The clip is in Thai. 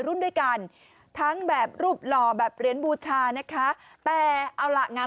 รุ่นด้วยกันทั้งแบบรูปหล่อแบบเหรียญบูชานะคะแต่เอาล่ะงาน